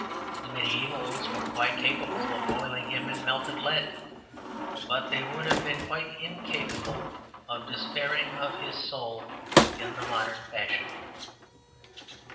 The mediævals were quite capable of boiling him in melted lead, but they would have been quite incapable of despairing of his soul in the modern fashion.